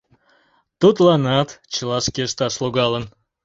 Тудланат чыла шке ышташ логалын.